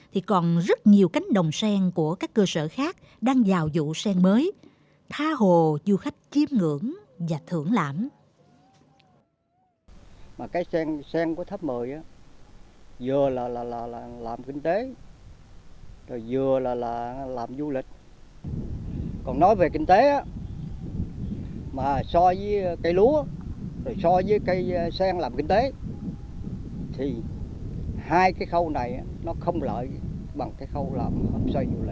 thì còn rất nhiều cánh đồng sen của các cơ sở khác đang vào vụ sen mới tha hồ du khách kiếm ngưỡng và thưởng lãm